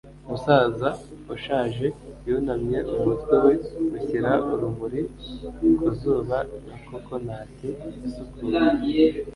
Umusaza ushaje yunamye umutwe we ushyira urumuri ku zuba nka cocoanut isukuye